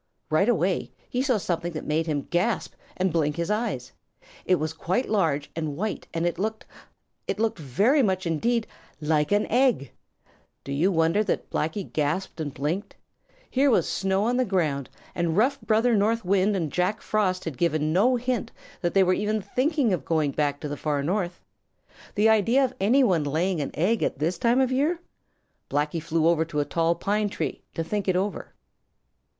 Right away he saw something that made him gasp and blink his eyes. It was quite large and white, and it looked it looked very much indeed like an egg! Do you wonder that Blacky gasped and blinked? Here was snow on the ground, and Rough Brother North Wind and Jack Frost had given no hint that they were even thinking of going back to the Far North. The idea of any one laying an egg at this time of year! Blacky flew over to a tall pine tree to think it over.